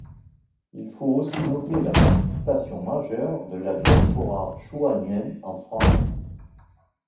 Il faut aussi noter la participation majeure de la diaspora chouanienne en France.